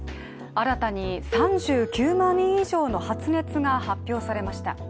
新たに３９万人以上の発熱が発表されました。